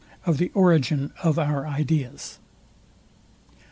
OF THE ORIGIN OF OUR IDEAS.